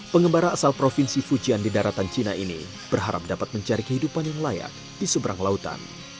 pengembara asal provinsi fujian di daratan cina ini berharap dapat mencari kehidupan yang layak di seberang lautan